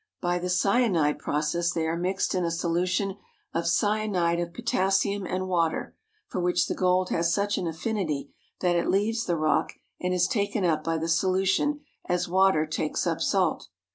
By the cyanide process they are mixed in a solution of cyanide of potas sium and water, for which the gold has such an affinity that it leaves the rock and is taken up by the solution as water takes up salt.